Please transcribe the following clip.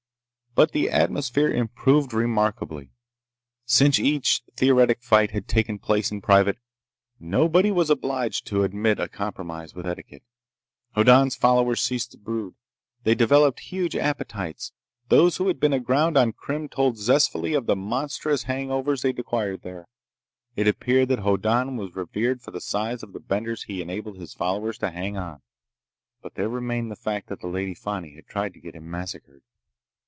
But the atmosphere improved remarkably. Since each theoretic fight had taken place in private, nobody was obliged to admit a compromise with etiquette. Hoddan's followers ceased to brood. They developed huge appetites. Those who had been aground on Krim told zestfully of the monstrous hangovers they'd acquired there. It appeared that Hoddan was revered for the size of the benders he enabled his followers to hang on. But there remained the fact that the Lady Fani had tried to get him massacred.